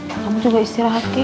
kamu juga istirahat ki